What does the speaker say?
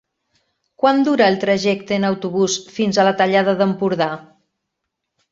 Quant dura el trajecte en autobús fins a la Tallada d'Empordà?